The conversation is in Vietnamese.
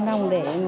rồi gói bánh